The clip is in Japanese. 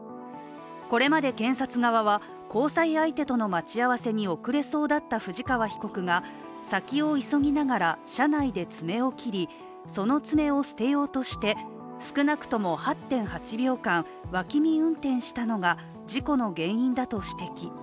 これまで検察側は、交際相手との待ち合わせに遅れそうだった藤川被告が先を急ぎながら車内で爪を切り、その爪を捨てようとして少なくとも８．８秒間、脇見運転したのが事故の原因だと指摘。